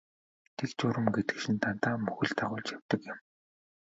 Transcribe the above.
Дэг журам гэдэг чинь дандаа мөхөл дагуулж байдаг юм.